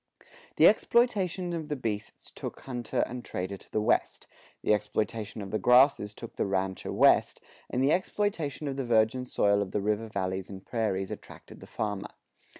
The exploitation of the beasts took hunter and trader to the west, the exploitation of the grasses took the rancher west, and the exploitation of the virgin soil of the river valleys and prairies attracted the farmer.